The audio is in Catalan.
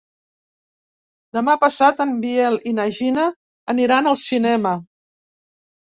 Demà passat en Biel i na Gina aniran al cinema.